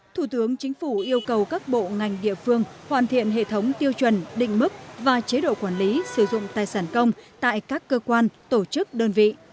thủ tướng chính phủ yêu cầu các bộ ngành địa phương hoàn thiện hệ thống tiêu chuẩn định mức và chế độ quản lý sử dụng tài sản công tại các cơ quan tổ chức đơn vị